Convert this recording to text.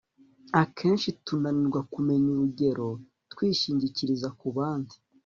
akenshi tunanirwa kumenya urugero twishingikiriza kubandi